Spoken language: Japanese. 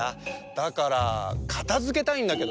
だからかたづけたいんだけど。